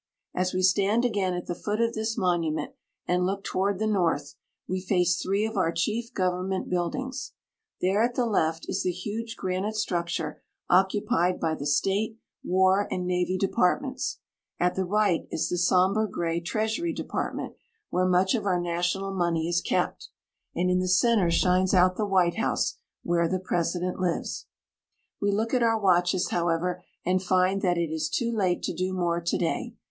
As we stand again at the foot of this monument and look toward the north, we face three of our chief government buildings. There, at the left, is the huge granite structure occupied by the State, War, and Navy Departments ; at the right is the somber gray Treasury Department, where much of our national money is kept ; and in the center shines out the White House, where the President lives. We look at our watches, however, and find that it is too late to do more to day.